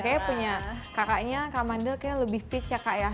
kayaknya punya kakaknya kak mandel kayaknya lebih peach ya kak ya